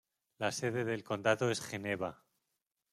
La sede de condado es Geneva.